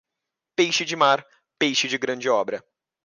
Peixe de mar, peixe de grande obra.